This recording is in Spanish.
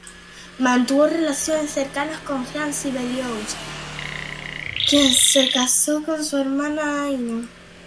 Mantuvo relaciones cercanas con Jean Sibelius, quien se casó con su hermana Aino.